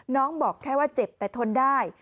บอกแค่ว่าเจ็บแต่ทนได้